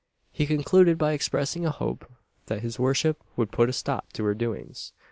He concluded by expressing a hope that his worship would put a stop to her doings.